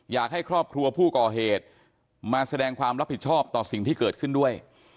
อยากให้ครอบครัวผู้ก่อเหตุมาแสดงความรับผิดชอบต่อสิ่งที่เกิดขึ้นด้วย